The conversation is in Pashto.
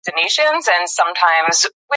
د کعبې انځور مخکې د لایټننګ بګز نوم مشهور و.